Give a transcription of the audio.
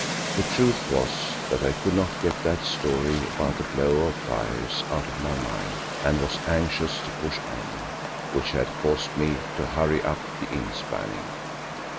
The truth was that I could not get that story about the glow of fires out of my mind and was anxious to push on, which had caused me to hurry up the inspanning.